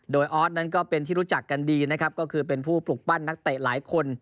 โดยออสนั้นก็เป็นที่รู้จักกันดีนะครับก็คือเป็นผู้ปลูกปั้นนักเตะหลายคน